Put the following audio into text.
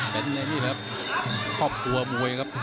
เหมือนในครับครอบครัวมวยครับ